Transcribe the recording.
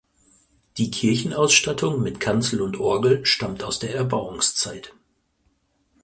Die Kirchenausstattung mit Kanzel und Orgel stammt aus der Erbauungszeit.